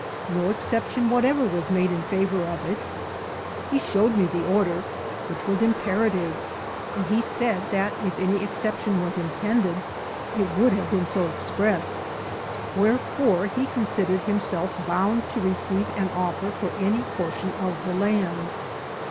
No exception whatever was made in favour of it. He showed me the order, which was imperative ; and he said that if any exception was intended, it would have been so expressed ; wherefore he considered himself bound to receive an offer for any portion of the land.